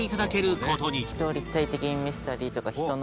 人を立体的に見せたりとか人の。